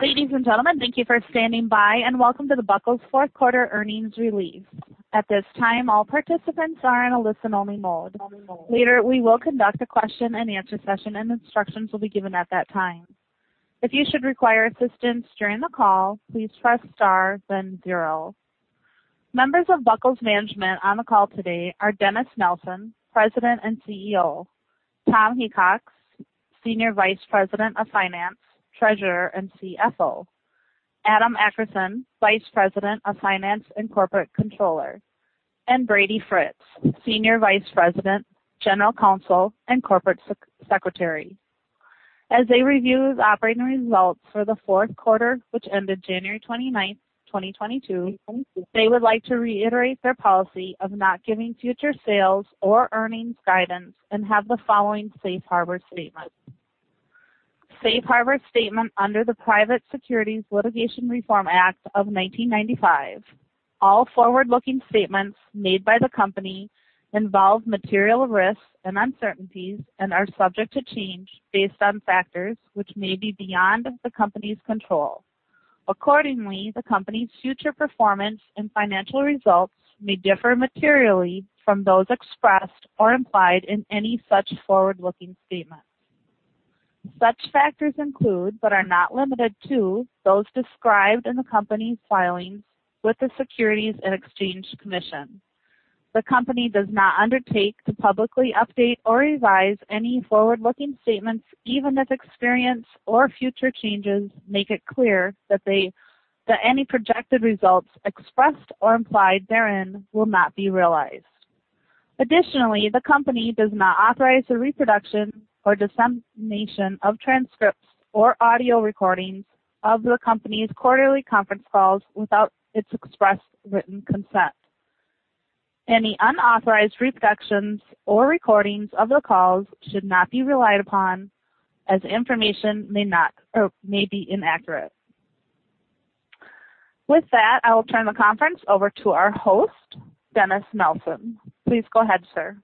Ladies and gentlemen, thank you for standing by, and welcome to The Buckle's fourth quarter earnings release. At this time, all participants are in a listen-only mode. Later, we will conduct a question-and-answer session, and instructions will be given at that time. If you should require assistance during the call, please press star then zero. Members of Buckle's management on the call today are Dennis Nelson, President and CEO, Tom Heacock, Senior Vice President of Finance, Treasurer, and CFO, Adam Akerson, Vice President of Finance and Corporate Controller, and Brady Fritz, Senior Vice President, General Counsel, and Corporate Secretary. As they review the operating results for the fourth quarter which ended January 29, 2022, they would like to reiterate their policy of not giving future sales or earnings guidance and have the following safe harbor statement. Safe harbor statement under the Private Securities Litigation Reform Act of 1995. All forward-looking statements made by the company involve material risks and uncertainties and are subject to change based on factors which may be beyond the company's control. Accordingly, the company's future performance and financial results may differ materially from those expressed or implied in any such forward-looking statements. Such factors include, but are not limited to, those described in the company's filings with the Securities and Exchange Commission. The company does not undertake to publicly update or revise any forward-looking statements, even if experience or future changes make it clear that any projected results expressed or implied therein will not be realized. Additionally, the company does not authorize the reproduction or dissemination of transcripts or audio recordings of the company's quarterly conference calls without its express written consent. Any unauthorized reproductions or recordings of the calls should not be relied upon as the information may not be accurate. With that, I will turn the conference over to our host, Dennis Nelson. Please go ahead, sir.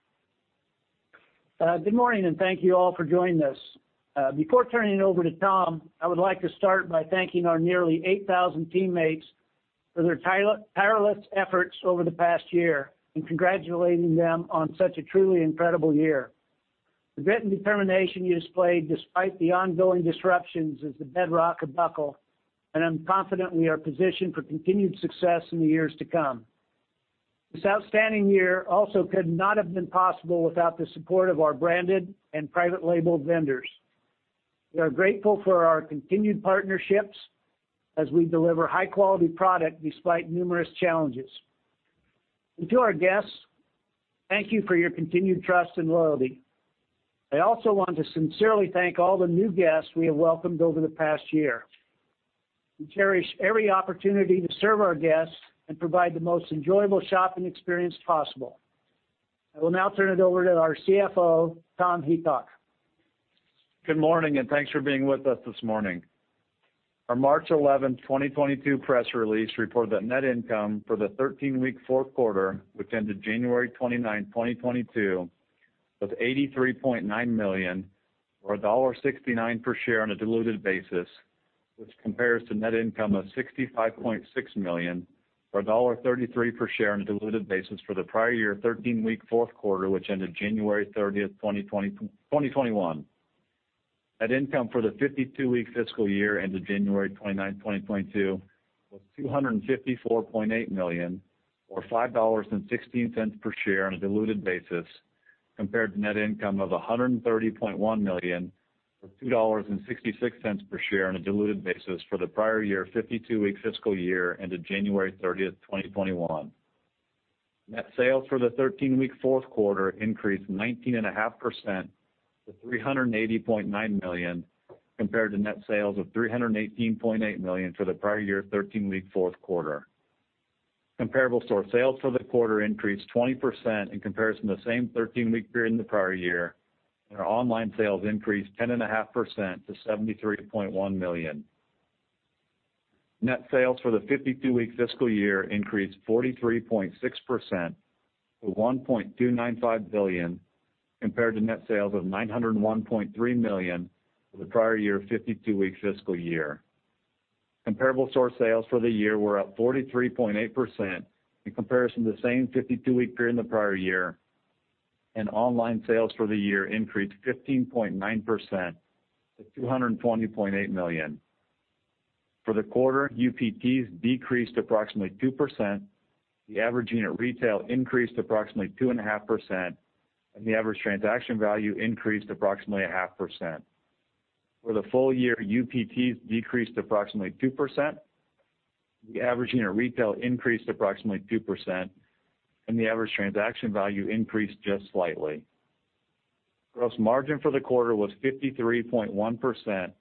Good morning, and thank you all for joining us. Before turning it over to Tom, I would like to start by thanking our nearly 8,000 teammates for their tireless efforts over the past year and congratulating them on such a truly incredible year. The grit and determination you displayed despite the ongoing disruptions is the bedrock of Buckle, and I'm confident we are positioned for continued success in the years to come. This outstanding year also could not have been possible without the support of our branded and private label vendors. We are grateful for our continued partnerships as we deliver high quality product despite numerous challenges. To our guests, thank you for your continued trust and loyalty. I also want to sincerely thank all the new guests we have welcomed over the past year. We cherish every opportunity to serve our guests and provide the most enjoyable shopping experience possible. I will now turn it over to our CFO, Tom Heacock. Good morning, and thanks for being with us this morning. Our March 11th, 2022 press release reported that net income for the 13-week fourth quarter, which ended January 29th, 2022, was $83.9 million or $1.69 per share on a diluted basis, which compares to net income of $65.6 million or $1.33 per share on a diluted basis for the prior year 13-week fourth quarter, which ended January 30th, 2021. Net income for the 52-week fiscal year ended January 29th, 2022 was $254.8 million or $5.16 per share on a diluted basis compared to net income of $130.1 million or $2.66 per share on a diluted basis for the prior year 52-week fiscal year ended January 30th, 2021. Net sales for the 13-week fourth quarter increased 19.5% to $380.9 million compared to net sales of $318.8 million for the prior year 13-week fourth quarter. Comparable store sales for the quarter increased 20% in comparison to the same 13-week period in the prior year, and our online sales increased 10.5% to $73.1 million. Net sales for the 52-week fiscal year increased 43.6% to $1.295 billion compared to net sales of $901.3 million for the prior year 52-week fiscal year. Comparable store sales for the year were up 43.8% in comparison to the same 52-week period in the prior year, and online sales for the year increased 15.9% to $220.8 million. For the quarter, UPTs decreased approximately 2%. The average unit retail increased approximately 2.5%, and the average transaction value increased approximately 0.5%. For the full year, UPTs decreased approximately 2%. The average unit retail increased approximately 2%, and the average transaction value increased just slightly. Gross margin for the quarter was 53.1%,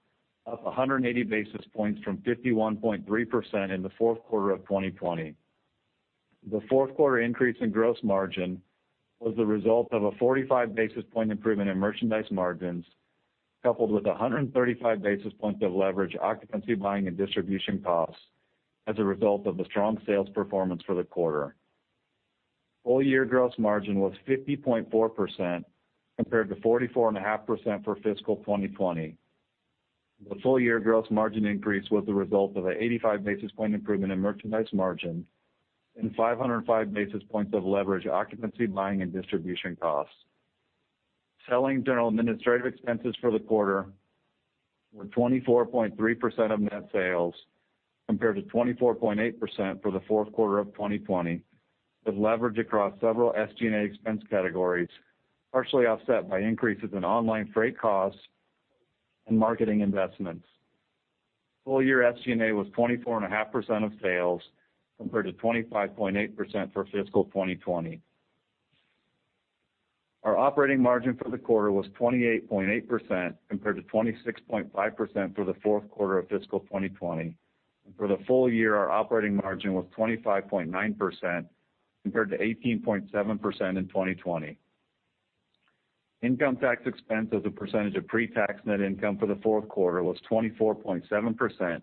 up 180 basis points from 51.3% in the fourth quarter of 2020. The fourth quarter increase in gross margin was the result of a 45 basis point improvement in merchandise margins, coupled with 135 basis points of leverage in occupancy, buying, and distribution costs as a result of the strong sales performance for the quarter. Full year gross margin was 50.4% compared to 44.5% for fiscal 2020. The full year gross margin increase was the result of an 85 basis point improvement in merchandise margin and 505 basis points of leverage in occupancy, buying, and distribution costs. Selling, general, and administrative expenses for the quarter were 24.3% of net sales, compared to 24.8% for the fourth quarter of 2020, with leverage across several SG&A expense categories, partially offset by increases in online freight costs and marketing investments. Full year SG&A was 24.5% of sales compared to 25.8% for fiscal 2020. Our operating margin for the quarter was 28.8% compared to 26.5% for the fourth quarter of fiscal 2020. For the full year, our operating margin was 25.9% compared to 18.7% in 2020. Income tax expense as a percentage of pre-tax net income for the fourth quarter was 24.7%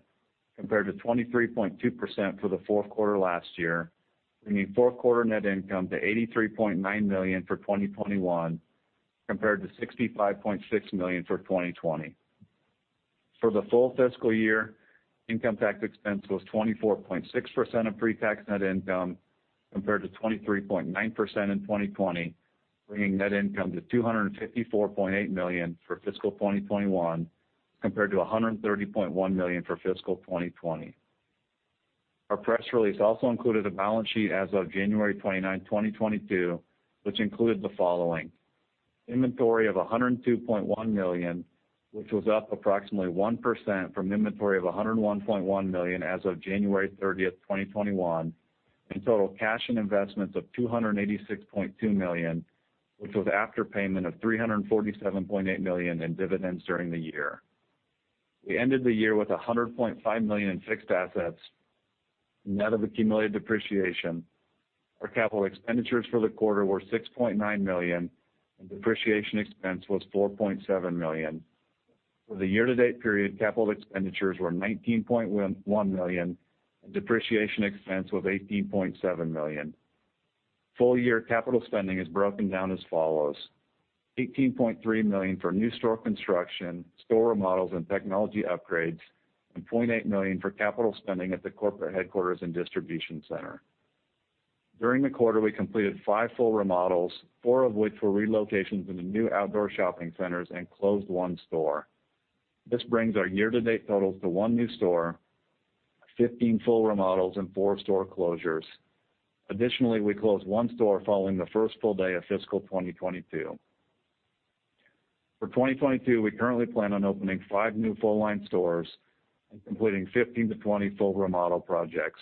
compared to 23.2% for the fourth quarter last year, bringing fourth quarter net income to $83.9 million for 2021 compared to $65.6 million for 2020. For the full fiscal year, income tax expense was 24.6% of pre-tax net income, compared to 23.9% in 2020, bringing net income to $254.8 million for fiscal 2021 compared to $130.1 million for fiscal 2020. Our press release also included a balance sheet as of January 29th, 2022, which included the following. Inventory of $102.1 million, which was up approximately 1% from inventory of $101.1 million as of January 30th, 2021, and total cash and investments of $286.2 million, which was after payment of $347.8 million in dividends during the year. We ended the year with $100.5 million in fixed assets, net of accumulated depreciation. Our capital expenditures for the quarter were $6.9 million, and depreciation expense was $4.7 million. For the year-to-date period, capital expenditures were $19.1 million, and depreciation expense was $18.7 million. Full year capital spending is broken down as follows: $18.3 million for new store construction, store remodels, and technology upgrades, and $0.8 million for capital spending at the corporate headquarters and distribution center. During the quarter, we completed five full remodels, four of which were relocations into new outdoor shopping centers and closed one store. This brings our year-to-date totals to one new store, 15 full remodels, and four store closures. Additionally, we closed one store following the first full day of fiscal 2022. For 2022, we currently plan on opening five new full-line stores and completing 15-20 full remodel projects.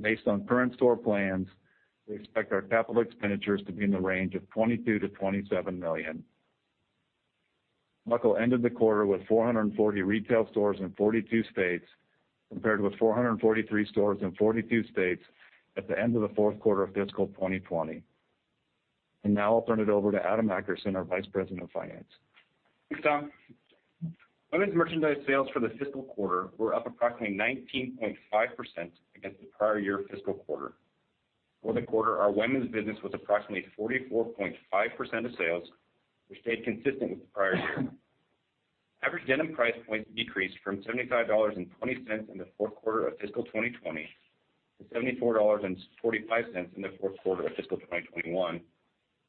Based on current store plans, we expect our capital expenditures to be in the range of $22 million-$27 million. Buckle ended the quarter with 440 retail stores in 42 states, compared with 443 stores in 42 states at the end of the fourth quarter of fiscal 2020. Now I'll turn it over to Adam Akerson, our Vice President of Finance. Thanks, Tom. Women's merchandise sales for the fiscal quarter were up approximately 19.5% against the prior year fiscal quarter. For the quarter, our women's business was approximately 44.5% of sales, which stayed consistent with the prior year. Average denim price points decreased from $75.20 in the fourth quarter of fiscal 2020 to $74.45 in the fourth quarter of fiscal 2021,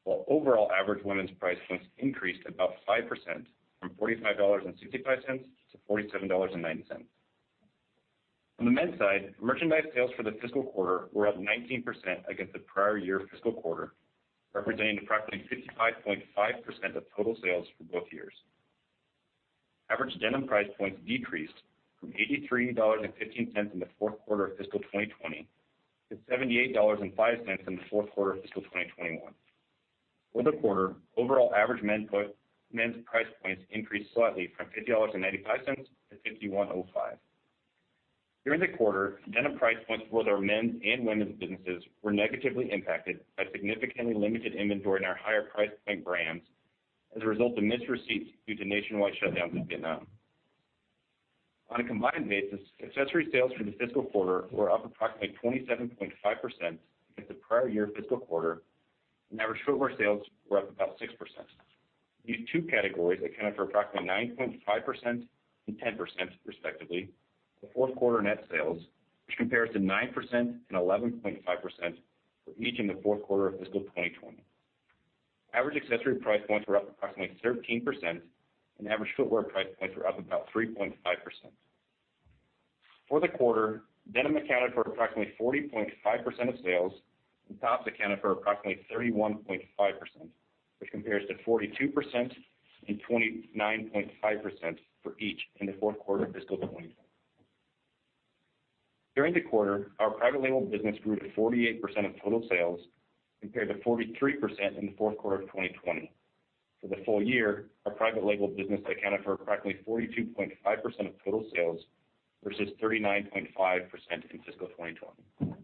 while overall average women's price points increased about 5% from $45.65-$47.90. On the men's side, merchandise sales for the fiscal quarter were up 19% against the prior year fiscal quarter, representing approximately 55.5% of total sales for both years. Average denim price points decreased from $83.15 in the fourth quarter of fiscal 2020 to $78.05 in the fourth quarter of fiscal 2021. For the quarter, overall average men's price points increased slightly from $50.95-$51.05. During the quarter, denim price points for both our men's and women's businesses were negatively impacted by significantly limited inventory in our higher price point brands as a result of missed receipts due to nationwide shutdowns in Vietnam. On a combined basis, accessory sales for the fiscal quarter were up approximately 27.5% against the prior year fiscal quarter, and average footwear sales were up about 6%. These two categories accounted for approximately 9.5% and 10% respectively of fourth quarter net sales, which compares to 9% and 11.5% for each in the fourth quarter of fiscal 2020. Average accessory price points were up approximately 13%, and average footwear price points were up about 3.5%. For the quarter, denim accounted for approximately 40.5% of sales, and tops accounted for approximately 31.5%, which compares to 42% and 29.5% for each in the fourth quarter of fiscal 2020. During the quarter, our private label business grew to 48% of total sales compared to 43% in the fourth quarter of 2020. For the full year, our private label business accounted for approximately 42.5% of total sales versus 39.5% in fiscal 2020.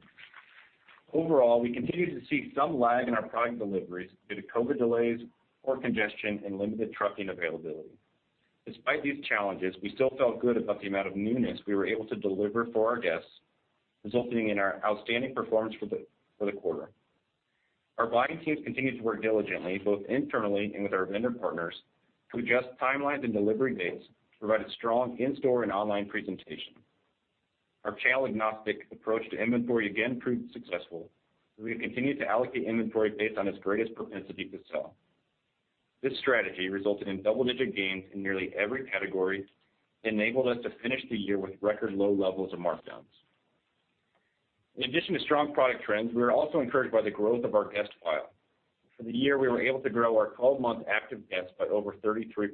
Overall, we continue to see some lag in our product deliveries due to COVID delays, port congestion, and limited trucking availability. Despite these challenges, we still felt good about the amount of newness we were able to deliver for our guests, resulting in our outstanding performance for the quarter. Our buying teams continued to work diligently, both internally and with our vendor partners, to adjust timelines and delivery dates to provide a strong in-store and online presentation. Our channel agnostic approach to inventory again proved successful, as we have continued to allocate inventory based on its greatest propensity to sell. This strategy resulted in double-digit gains in nearly every category, enabled us to finish the year with record low levels of markdowns. In addition to strong product trends, we were also encouraged by the growth of our guest file. For the year, we were able to grow our 12-month active guests by over 33%.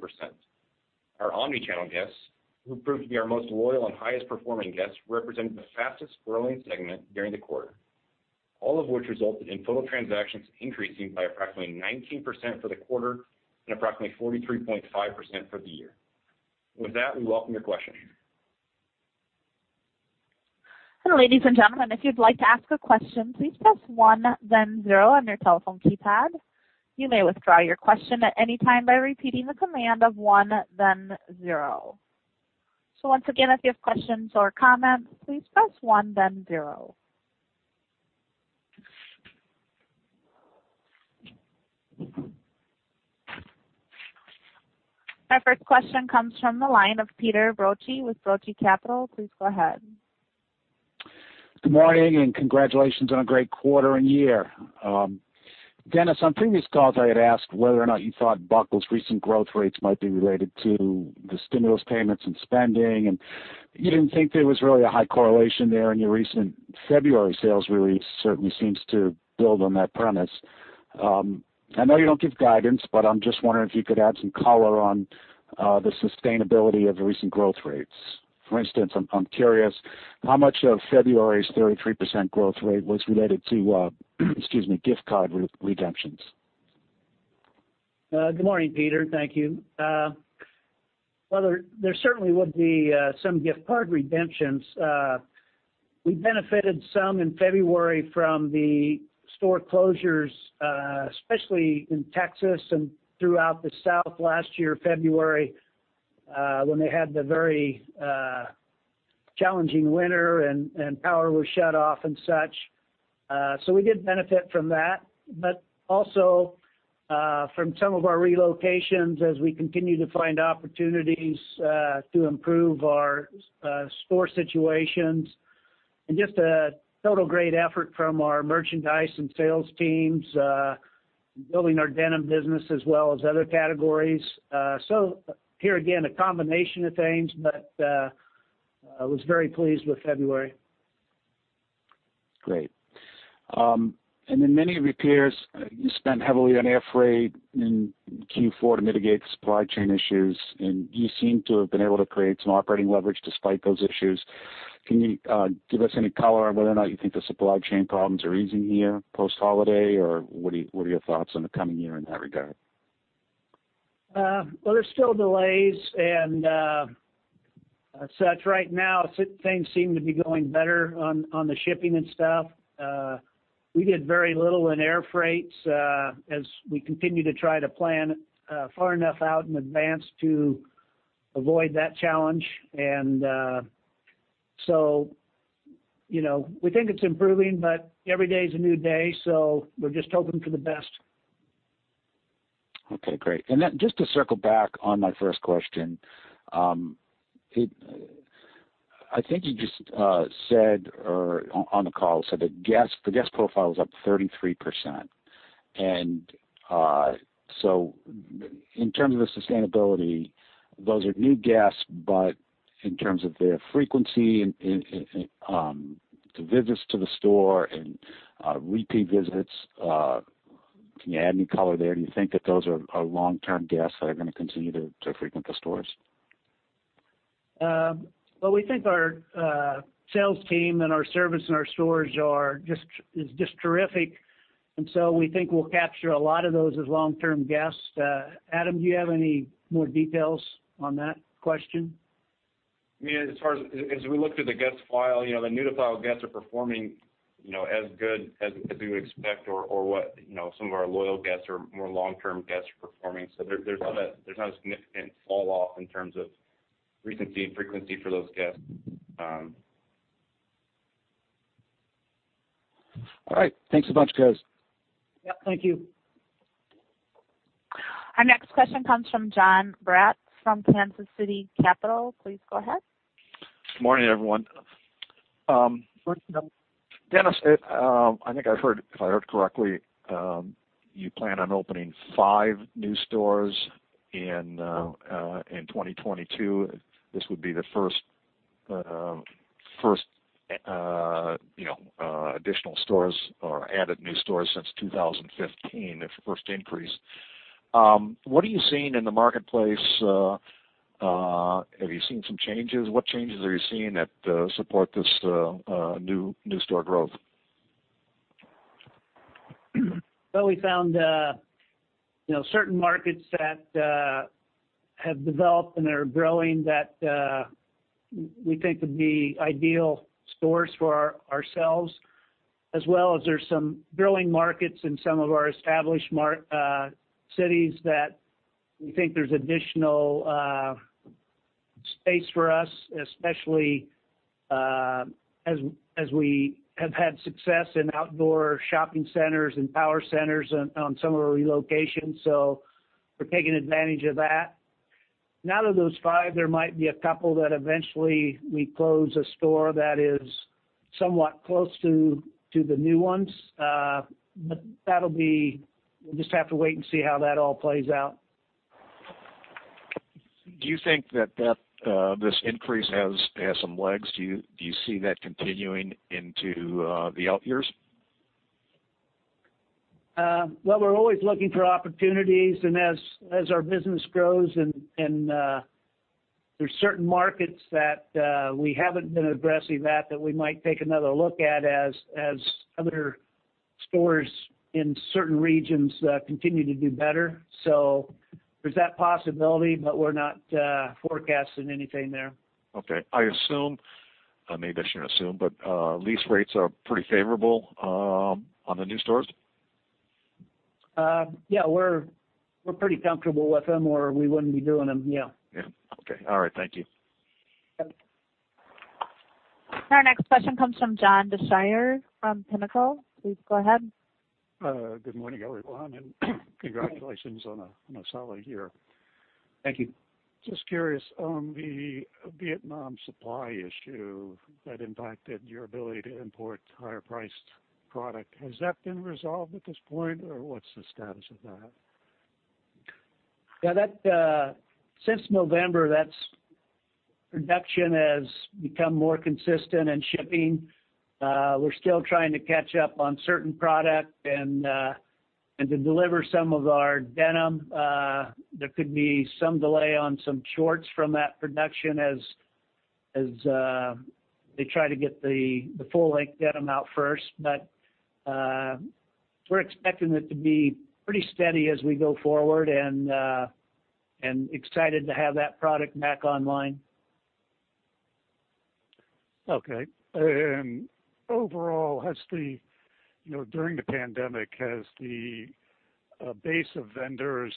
Our omni-channel guests, who proved to be our most loyal and highest performing guests, represented the fastest growing segment during the quarter. All of which resulted in total transactions increasing by approximately 19% for the quarter and approximately 43.5% for the year. With that, we welcome your questions. Hello, ladies and gentlemen. If you would like to ask a question please press one then zero on your telephone keypad. You may withdraw you question at anytime by repeating the command of one then zero. Once again, if you have question or comments, please press one and zero. Our first question comes from the line of Peter Brotchie with Brotchie Capital. Please go ahead. Good morning and congratulations on a great quarter and year. Dennis, on previous calls, I had asked whether or not you thought Buckle's recent growth rates might be related to the stimulus payments and spending, and you didn't think there was really a high correlation there, and your recent February sales release really certainly seems to build on that premise. I know you don't give guidance, but I'm just wondering if you could add some color on, the sustainability of the recent growth rates. For instance, I'm curious how much of February's 33% growth rate was related to, excuse me, gift card redemptions. Good morning, Peter. Thank you. Well, there certainly would be some gift card redemptions. We benefited some in February from the store closures, especially in Texas and throughout the South last year, February, when they had the very challenging winter and power was shut off and such. We did benefit from that, but also from some of our relocations as we continue to find opportunities to improve our store situations. Just a total great effort from our merchandise and sales teams, building our denim business as well as other categories. Here again, a combination of things, but I was very pleased with February. Great. Many repairs, you spent heavily on air freight in Q4 to mitigate the supply chain issues, and you seem to have been able to create some operating leverage despite those issues. Can you give us any color on whether or not you think the supply chain problems are easing here post-holiday, or what are your thoughts on the coming year in that regard? Well, there's still delays and, as such right now, things seem to be going better on the shipping and stuff. We did very little in air freights, as we continue to try to plan far enough out in advance to avoid that challenge. You know, we think it's improving, but every day is a new day, so we're just hoping for the best. Okay, great. Just to circle back on my first question, I think you just said that the guest profile is up 33%. In terms of the sustainability, those are new guests, but in terms of their frequency in to visits to the store and repeat visits, can you add any color there? Do you think that those are long-term guests that are gonna continue to frequent the stores? Well, we think our sales team and our service in our stores are just terrific, and so we think we'll capture a lot of those as long-term guests. Adam, do you have any more details on that question? I mean, as we look through the guest file, you know, the new to file guests are performing, you know, as good as we would expect or what, you know, some of our loyal guests or more long-term guests are performing. There's not a significant fall off in terms of recency and frequency for those guests. All right. Thanks a bunch, guys. Yep, thank you. Our next question comes from Jon Braatz from Kansas City Capital. Please go ahead. Good morning, everyone. Dennis, I think I've heard, if I heard correctly, you plan on opening five new stores in 2022. This would be the first, you know, additional stores or added new stores since 2015, the first increase. What are you seeing in the marketplace? Have you seen some changes? What changes are you seeing that support this new store growth? Well, we found, you know, certain markets that have developed and are growing that we think would be ideal stores for ourselves. As well as there's some growing markets in some of our established cities that we think there's additional space for us, especially as we have had success in outdoor shopping centers and power centers on some of our relocations. We're taking advantage of that. Now, out of those five, there might be a couple that eventually we close a store that is somewhat close to the new ones. That'll be. We'll just have to wait and see how that all plays out. Do you think that this increase has some legs? Do you see that continuing into the out years? Well, we're always looking for opportunities and as our business grows and there's certain markets that we haven't been aggressive at that we might take another look at as other stores in certain regions continue to do better. There's that possibility, but we're not forecasting anything there. Okay. I assume, or maybe I shouldn't assume, but, lease rates are pretty favorable, on the new stores? Yeah, we're pretty comfortable with them or we wouldn't be doing them. Yeah. Yeah. Okay. All right. Thank you. Yep. Our next question comes from John Deysher from Pinnacle. Please go ahead. Good morning, everybody, and congratulations on a solid year. Thank you. Just curious on the Vietnam supply issue that impacted your ability to import higher priced product. Has that been resolved at this point, or what's the status of that? Yeah, that. Since November, production has become more consistent and shipping. We're still trying to catch up on certain product and to deliver some of our denim. There could be some delay on some shorts from that production as they try to get the full length denim out first. We're expecting it to be pretty steady as we go forward and excited to have that product back online. Okay. Overall, you know, during the pandemic, has the base of vendors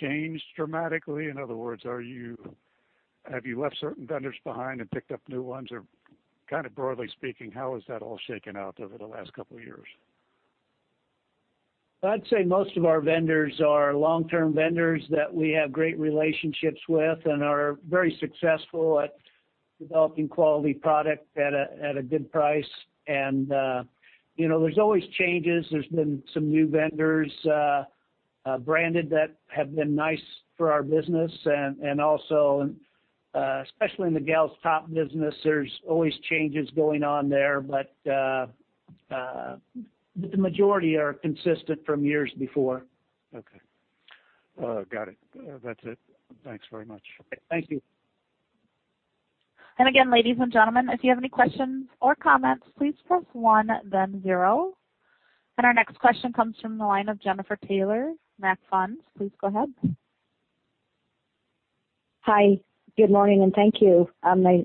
changed dramatically? In other words, have you left certain vendors behind and picked up new ones? Kind of broadly speaking, how has that all shaken out over the last couple of years? I'd say most of our vendors are long-term vendors that we have great relationships with and are very successful at developing quality product at a good price. You know, there's always changes. There's been some new vendors branded that have been nice for our business and also especially in the gals top business, there's always changes going on there. The majority are consistent from years before. Okay. Got it. That's it. Thanks very much. Thank you. Again, ladies and gentlemen, if you have any questions or comments, please press one then zero. Our next question comes from the line of Jenifer Taylor, MAC Fund. Please go ahead. Hi. Good morning, and thank you.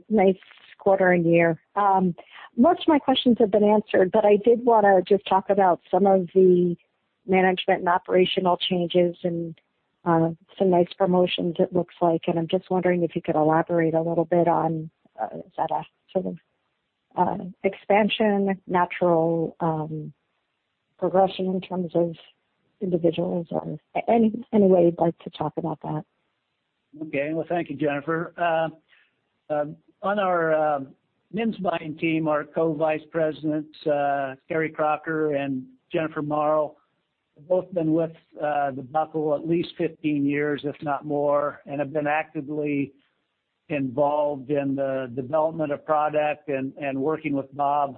Nice quarter and year. Most of my questions have been answered, but I did wanna just talk about some of the management and operational changes and some nice promotions it looks like. I'm just wondering if you could elaborate a little bit on is that a sort of expansion natural progression in terms of individuals or any way you'd like to talk about that? Okay. Well, thank you, Jenifer. On our men's buying team, our Co-Vice Presidents, Cari Crocker and Jennifer Morrow, have both been with The Buckle at least 15 years, if not more, and have been actively involved in the development of product and working with Bob.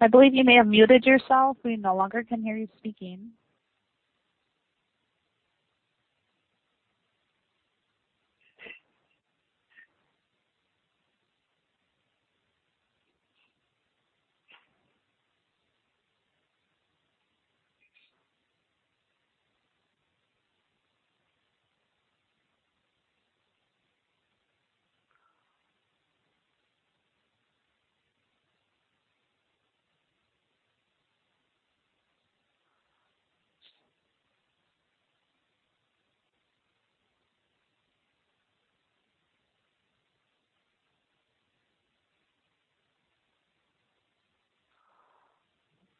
I believe you may have muted yourself. We no longer can hear you speaking.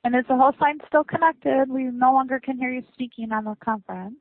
Is the whole line still connected? We no longer can hear you speaking on the conference.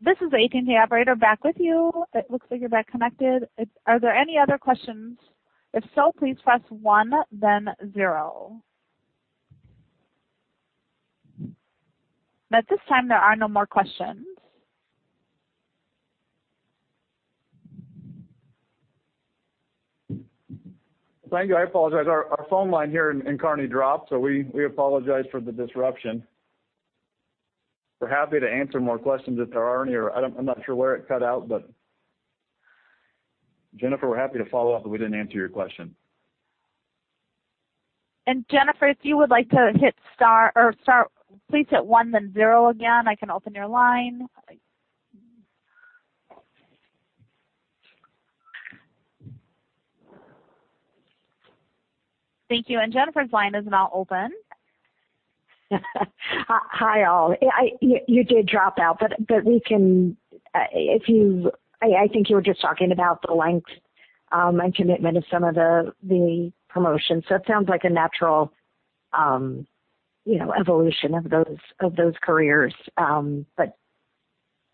This is AT&T Operator back with you. It looks like you're back connected. Are there any other questions? If so, please press one then zero. At this time, there are no more questions. Thank you. I apologize. Our phone line here in Kearney dropped, so we apologize for the disruption. We're happy to answer more questions if there are any, or I'm not sure where it cut out, but Jenifer, we're happy to follow up if we didn't answer your question. And Jenifer, if you would like to hit star or star... Please hit one then zero again, I can open your line. Thank you. And Jenifer's line is now open. Hi, all. You did drop out. We can. I think you were just talking about the length and commitment of some of the promotions. It sounds like a natural you know evolution of those careers. The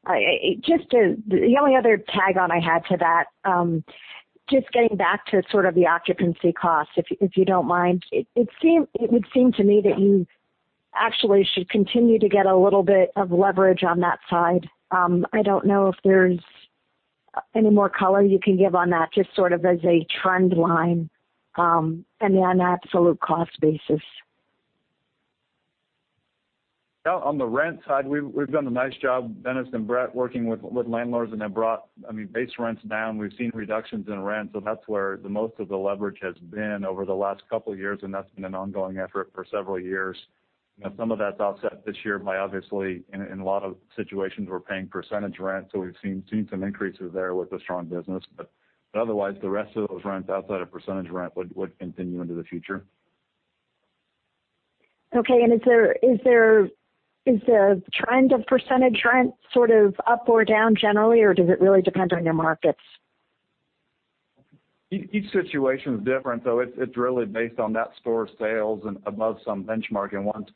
only other tack-on I had to that just getting back to sort of the occupancy costs, if you don't mind. It would seem to me that you actually should continue to get a little bit of leverage on that side. I don't know if there's any more color you can give on that, just sort of as a trend line and on an absolute cost basis. Yeah. On the rent side, we've done a nice job, Dennis and Brett, working with landlords, and have brought, I mean, base rents down. We've seen reductions in rent, so that's where the most of the leverage has been over the last couple years, and that's been an ongoing effort for several years. You know, some of that's offset this year by obviously, in a lot of situations we're paying percentage rent, so we've seen some increases there with the strong business. Otherwise, the rest of those rents outside of percentage rent would continue into the future. Okay. Is the trend of percentage rent sort of up or down generally, or does it really depend on your markets? Each situation's different, so it's really based on that store's sales and above some benchmark.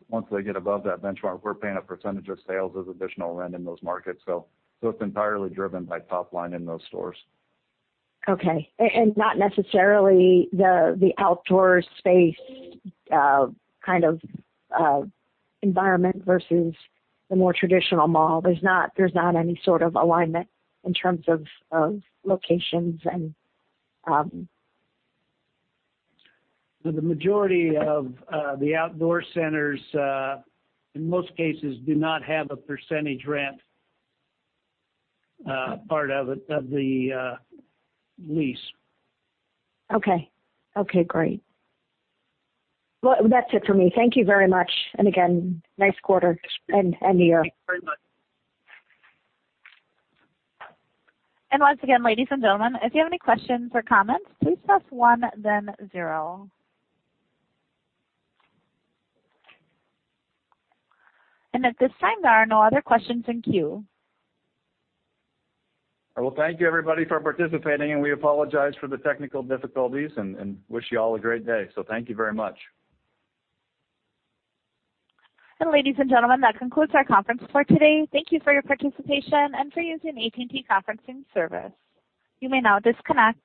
Once they get above that benchmark, we're paying a percentage of sales as additional rent in those markets. It's entirely driven by top line in those stores. Not necessarily the outdoor space kind of environment versus the more traditional mall. There's not any sort of alignment in terms of locations and. The majority of the outdoor centers, in most cases, do not have a percentage rent part of it of the lease. Okay. Okay, great. Well, that's it for me. Thank you very much. Again, nice quarter and year. Thanks very much. Once again, ladies and gentlemen, if you have any questions or comments, please press one then zero. At this time, there are no other questions in queue. Well, thank you everybody for participating, and we apologize for the technical difficulties and wish you all a great day. Thank you very much. Ladies and gentlemen, that concludes our conference for today. Thank you for your participation and for using AT&T Conferencing service. You may now disconnect.